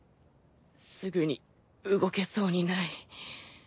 すぐに動けそうにない。